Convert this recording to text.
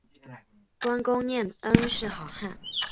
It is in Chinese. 观功念恩是好汉